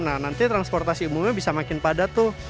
nah nanti transportasi umumnya bisa makin padat tuh